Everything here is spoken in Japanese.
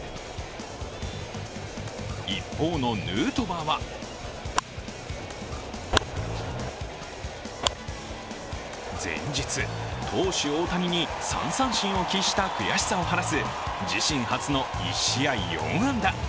一方のヌートバーは前日、投手・大谷に３三振を喫した悔しさを晴らす自身初の１試合４安打。